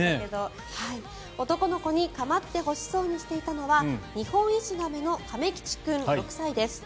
男の子に構ってほしそうにしていたのはニホンイシガメの亀吉君、６歳です。